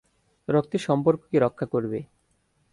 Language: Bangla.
রক্তের সম্পর্ককে রক্ষা করবে।